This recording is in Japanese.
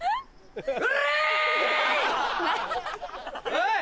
おい！